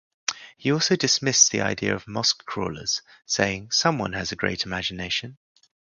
He also dismissed the idea of "mosque crawlers," saying, "Someone has a great imagination.